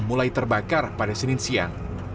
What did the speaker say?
mulai terbakar pada senin siang